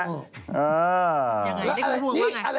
เลขคุณภูมิภวงว่าไง